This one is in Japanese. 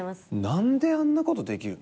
何であんなことできるの？